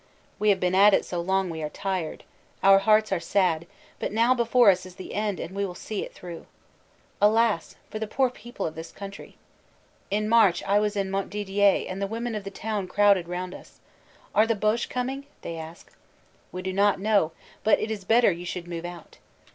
We have been at it so long we are tired ; our hearts are sad, but now before us is the end and we will see it through. Alas ! for the poor people of this country. In March I was in Montdidier and the women of the town crowded round us. Are the Boche coming? they ask. We do not know but it is better you should move out.